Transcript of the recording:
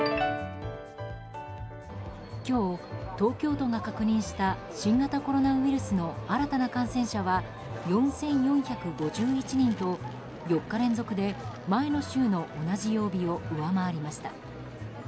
今日、東京都が確認した新型コロナウイルスの新たな感染者は４４５１人と４日連続で前の週の同じ曜日を上回りました。